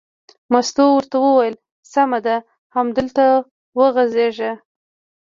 مستو ورته وویل: سمه ده همدلته وغځېږه.